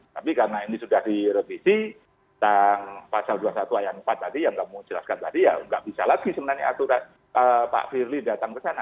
tapi karena ini sudah direvisi tentang pasal dua puluh satu ayat empat tadi yang kamu jelaskan tadi ya nggak bisa lagi sebenarnya aturan pak firly datang ke sana